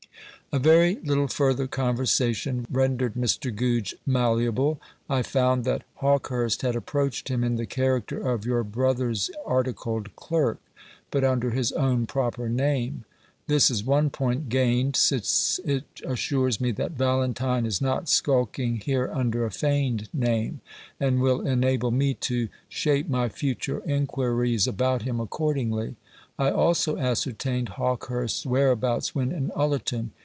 A very little further conversation rendered Mr. Goodge malleable. I found that Hawkehurst had approached him in the character of your brother's articled clerk, but under his own proper name. This is one point gained, since it assures me that Valentine is not skulking here under a feigned name; and will enable me to shape my future inquiries about him accordingly. I also ascertained Hawkehurst's whereabouts when in Ullerton.